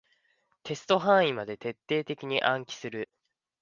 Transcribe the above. テスト範囲まで徹底的に暗記する